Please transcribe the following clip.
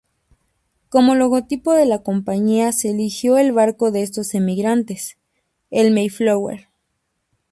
Como logotipo de la compañía se eligió el barco de estos emigrantes, el Mayflower.